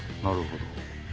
なるほど。